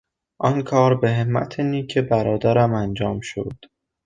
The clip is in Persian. آن کار به همت نیک برادرم انجام شد.